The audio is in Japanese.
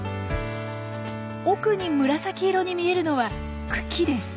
奥に紫色に見えるのは茎です。